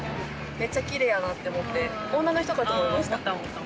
めっちゃキレイやなって思って女の人かと思いました。